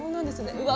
うわ